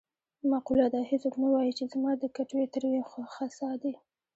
معقوله ده: هېڅوک نه وايي چې زما د کټوې تروې خسا دي.